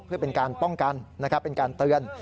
เพื่อเป็นการป้องกันนะครับเป็นการเตือน